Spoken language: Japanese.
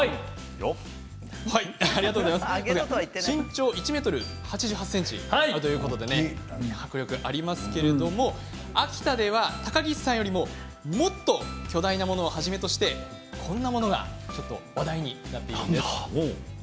身長が１ｍ８８ｃｍということで迫力ありますけれど秋田では高岸さんよりもっと巨大なものをはじめとしてこんなものがちょっと話題になっているんです。